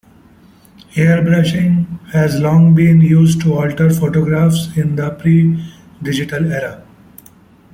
Airbrushing has long been used to alter photographs in the pre-digital era.